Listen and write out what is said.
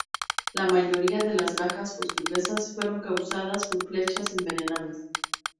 La mayoría de las bajas portuguesas fueron causadas por flechas envenenadas.